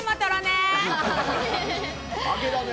あげだね。